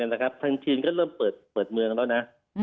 ทางจีนก็เริ่มเปิดเมืองแล้วนะ